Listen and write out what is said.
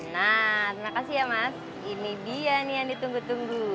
nah terima kasih ya mas ini dia nih yang ditunggu tunggu